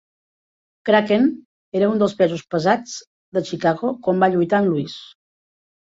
Kracken era un dels pesos pesats de Chicago quan va lluitar amb Louis.